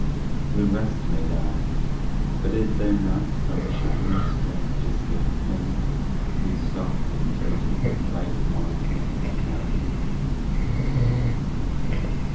The rest may die but is there not Some shining strange escape for me Who sought in Beauty the bright wine Of immortality?